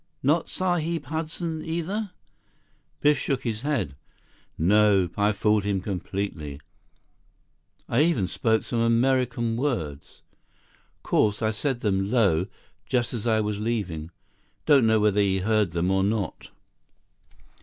"Not Sahib Hudson, either?" Biff shook his head. "Nope. I fooled him completely. I even spoke some American words. Course, I said them low, just as I was leaving. Don't know whether he heard them or not."